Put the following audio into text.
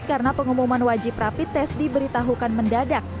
karena pengumuman wajib rapi tes diberitahukan mendadak